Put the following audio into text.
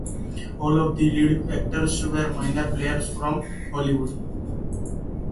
All of the lead actors were minor players from Hollywood.